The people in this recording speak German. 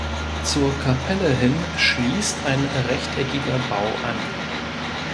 Zur Kapelle hin schliesst ein rechteckiger Bau an.